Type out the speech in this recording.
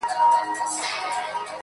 دا ستا پر ژوند در اضافه كي گراني,